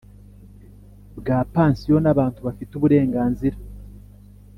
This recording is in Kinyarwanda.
bwa pansiyo n abantu bafite uburenganzira